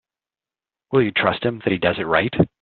Will you trust him that he does it right?